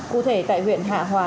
cụ thể tại huyện hạ hòa